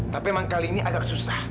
tapi emang kali ini agak susah